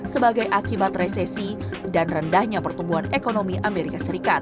sebagai akibat resesi dan rendahnya pertumbuhan ekonomi amerika serikat